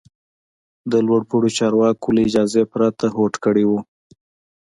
د لوړ پوړو چارواکو له اجازې پرته هوډ کړی و.